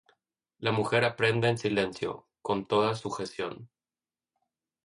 La mujer aprenda en silencio, con toda sujeción.